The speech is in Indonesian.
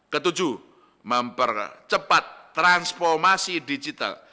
ketujuh mempercepat transformasi digital